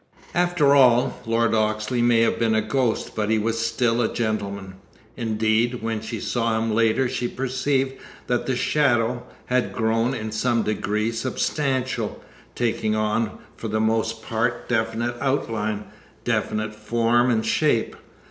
After all, Lord Oxley may have been a ghost, but he was still a gentleman. Indeed, when she saw him later she perceived that the shadow "had grown, in some degree, substantial, taking on for the most part, definite outline, definite form and shape.